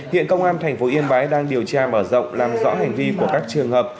hiện công an tp yên bái đang điều tra mở rộng làm rõ hành vi của các trường hợp